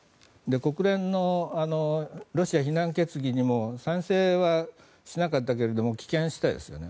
国連のロシア非難決議にも賛成はしなかったけれども棄権したんですよね。